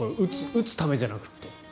打つためじゃなくて。